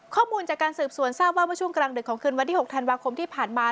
ข้อมูลจากการสืบสวนทราบว่าเมื่อช่วงกลางดึกของคืนวันที่๖ธันวาคมที่ผ่านมา